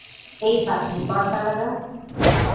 এই বাদরি, পর্দা লাগা।